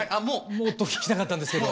もっと聞きたかったんですけど。